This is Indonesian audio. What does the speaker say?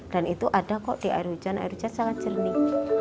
dan itu ada kok di air hujan air hujan sangat jernih